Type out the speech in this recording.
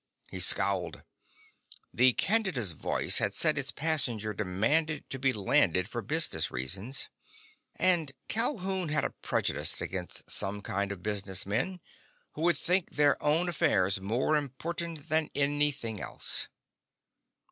He scowled. The Candida's voice had said its passenger demanded to be landed for business reasons. And Calhoun had a prejudice against some kinds of business men who would think their own affairs more important than anything else.